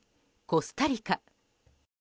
コスタリカ